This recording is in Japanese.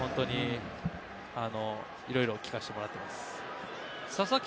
いろいろ聞かせてもらっています。